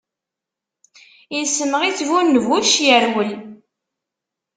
Issemɣi-tt bu nnbuc, irwel.